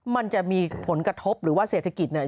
มันจะมีผลกระทบหรือว่าเศรษฐกิจเนี่ย